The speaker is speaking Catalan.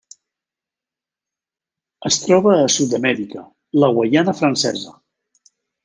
Es troba a Sud-amèrica: la Guaiana Francesa.